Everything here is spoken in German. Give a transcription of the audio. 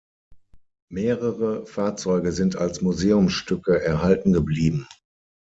Mehrere Fahrzeuge sind als Museumsstücke erhalten geblieben.